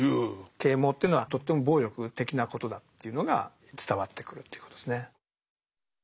啓蒙というのはとっても暴力的なことだっていうのが伝わってくるということですね。